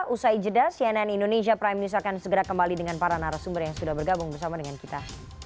usai jeda cnn indonesia prime news akan segera kembali dengan para narasumber yang sudah bergabung bersama dengan kita